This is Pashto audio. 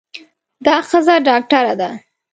دا ښځه ډاکټره ده.